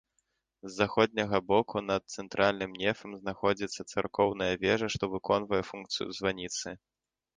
З заходняга боку над цэнтральным нефам знаходзіцца царкоўная вежа, што выконвае функцыю званіцы.